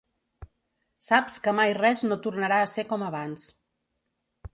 Saps que mai res no tornarà a ser com abans.